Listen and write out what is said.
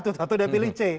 tentu dia pilih c